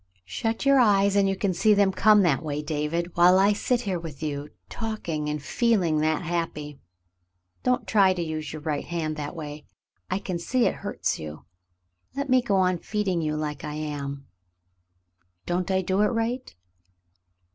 Shut your eyes and you can see them come that waj% David, while I sit here with you, talking and feeling that happy. Don't try to use your right hand that way ; I can see it hurts you. Let me go on feeding you like I am. Don't I do it right